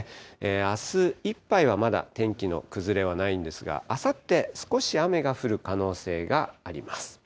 あすいっぱいはまだ天気の崩れはないんですが、あさって、少し雨が降る可能性があります。